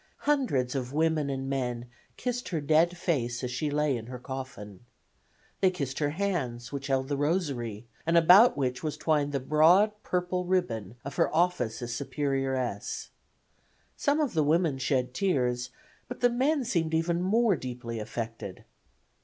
Hundreds of women and men kissed her dead face as she lay in her coffin. They kissed her hands, which held the Rosary, and about which was twined the broad, purple ribbon of her office as Superioress. Some of the women shed tears, but the men seemed even more deeply affected.